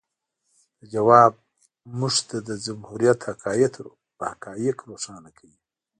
د ځواب موږ ته د جمهوریت حقایق روښانه کوي.